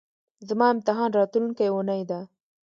زما امتحان راتلونکۍ اونۍ ده